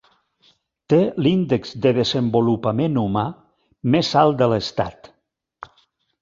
Té l"índex de desenvolupament humà més alt de l"estat.